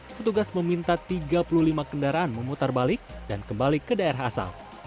petugas meminta tiga puluh lima kendaraan memutar balik dan kembali ke daerah asal